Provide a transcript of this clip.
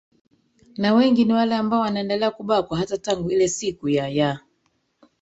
na wengi ni wale ambao wanaendelea kubakwa hata tangu ile siku ya ya